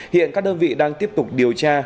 hiện các đơn vị đang tiếp tục điều tra